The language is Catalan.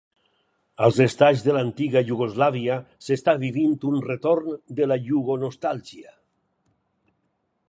Als Estats de l'antiga Iugoslàvia s'està vivint un retorn de la Iugo-nostàlgia.